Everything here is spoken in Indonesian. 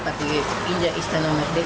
tapi pinjak istana merdeka tidak